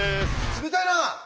冷たいな！